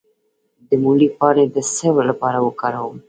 د مولی پاڼې د څه لپاره وکاروم؟